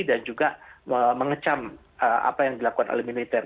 dan juga mengecam apa yang dilakukan alam militer